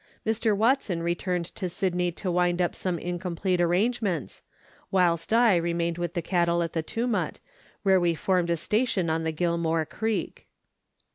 Mr. Watson returned to Sydney to wind up some in complete arrangements, whilst I remained with the cattle at the Tumut, where we formed a station on the Gilmore Creek.